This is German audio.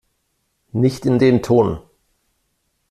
Nicht in dem Ton!